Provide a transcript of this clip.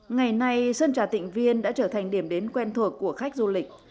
ngày nay sơn trà tịnh viên đã trở thành điểm đến quen thuộc của khách du lịch